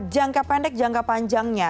jangka pendek jangka panjangnya